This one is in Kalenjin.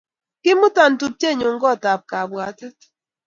Kimuta tupchenyu kot ab kapbwatet